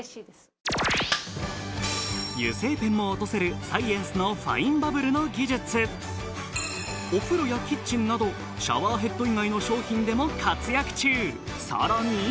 油性ペンも落とせるサイエンスのファインバブルの技術お風呂やキッチンなどシャワーヘッド以外の商品でも活躍中さらに！